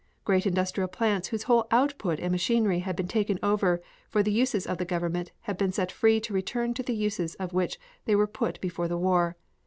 Great industrial plants whose whole output and machinery had been taken over for the uses of the government have been set free to return to the uses to which they were put before the war.